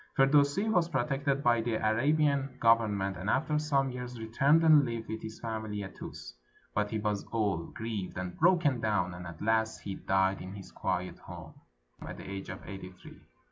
Firdusi was protected by the Arabian Government, and after some years returned and lived with his family atTus; but he was old, grieved, and broken down, and at last he died in his quiet home, at the age of eighty three.